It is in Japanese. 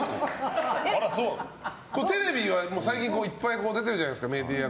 テレビは最近いっぱい出てるじゃないですかメディア。